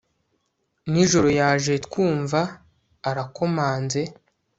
nijoro yaje twumva arakomanze